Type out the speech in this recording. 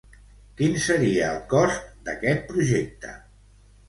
Quin seria el cost d'aquest projecte?